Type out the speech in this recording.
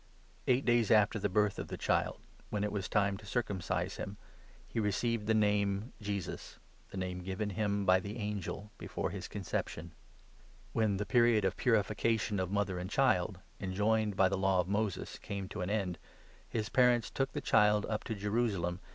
Eight days after the birth of the child, when it was time to 21 circumcise him, he received the name Jesus — the name given him by the angel before his conception. When the period of purification of mother and 22 Presentation child, enjoined by the Law of Moses, came to an of Jesus in end, his parents took the child up to Jerusalem 5 Temple.